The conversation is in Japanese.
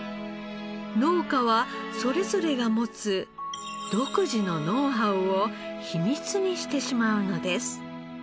農家はそれぞれが持つ独自のノウハウを秘密にしてしまうのです。